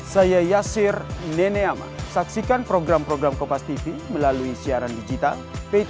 saya minta nambah pak dari tiga delapan ke empat